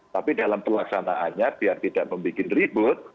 tapi dalam pelaksanaannya biar tidak membuat ribut